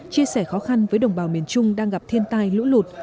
chia sẻ khó khăn với đồng bào miền trung đang gặp thiên tai lũ lụt